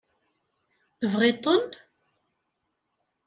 Tebɣiḍ-ten?